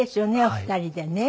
お二人でね。